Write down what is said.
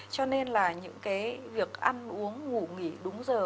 cho nên là những cái việc ăn uống ngủ nghỉ đúng giờ